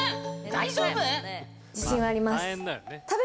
大丈夫？